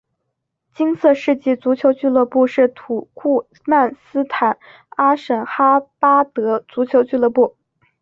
金色世纪足球俱乐部是土库曼斯坦阿什哈巴德足球俱乐部。